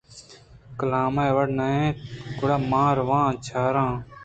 کلام آوڑ ءَ نہ اِنت گڑا من رواں چادر ءَ چاراں